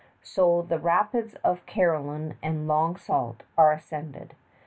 So the rapids of Carillon and Long Sault are ascended.